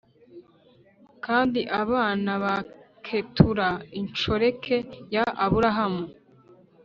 Kandi abana ba Ketura inshoreke ya Aburahamu